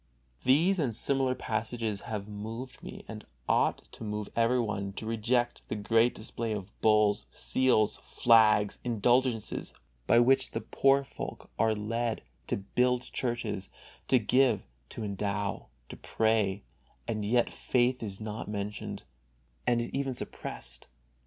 These and similar passages have moved me and ought to move everyone to reject the great display of bulls, seals, flags, indulgences, by which the poor folk are led to build churches, to give, to endow, to pray, and yet faith is not mentioned, and is even suppressed.